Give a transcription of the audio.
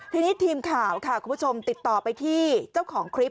ทีนี้ทีมข่าวค่ะคุณผู้ชมติดต่อไปที่เจ้าของคลิป